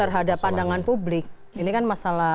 terhadap pandangan publik ini kan masalah